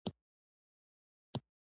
ګران بیه جامو پر تولید او پېر بندیز ولګول شو.